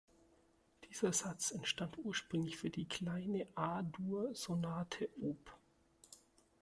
Dieser Satz entstand ursprünglich für die „kleine“ A-Dur-Sonate op.